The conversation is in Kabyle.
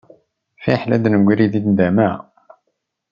Fiḥel ad d-negri di nndama.